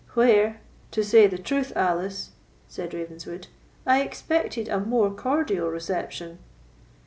"Where, to say the truth, Alice," said Ravenswood, "I expected a more cordial reception."